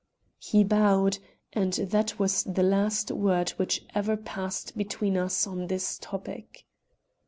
He bowed, and that was the last word which ever passed between us on this topic.